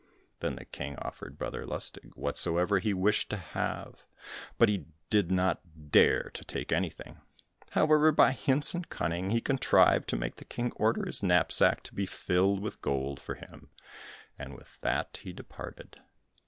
Then the King offered Brother Lustig whatsoever he wished to have, but he did not dare to take anything; however, by hints and cunning, he contrived to make the King order his knapsack to be filled with gold for him, and with that he departed.